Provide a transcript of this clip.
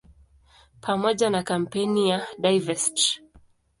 Pamoja na kampeni ya "Divest!